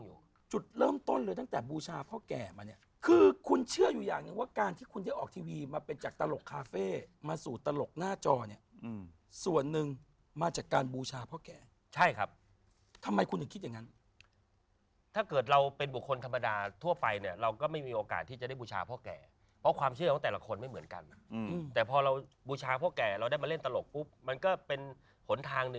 อยู่จุดเริ่มต้นเลยตั้งแต่บูชาพ่อแก่มาเนี่ยคือคุณเชื่ออยู่อย่างนึงว่าการที่คุณจะออกทีวีมาเป็นจากตลกคาเฟ่มาสู่ตลกหน้าจอเนี่ยส่วนหนึ่งมาจากการบูชาพ่อแก่ใช่ครับทำไมคุณจะคิดอย่างนั้นถ้าเกิดเราเป็นบุคคลธรรมดาทั่วไปเนี่ยเราก็ไม่มีโอกาสที่จะได้บูชาพ่อแก่เพราะความเชื่อของแต่ละคนไม่เหมือนกัน